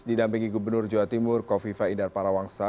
didampingi gubernur jawa timur kofifa indar parawangsa